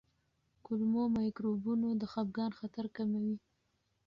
کولمو مایکروبیوم د خپګان خطر کموي.